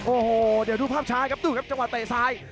โอ้โหเดี๋ยวดูภาพช้าครับดูครับจังหวะเตะซ้าย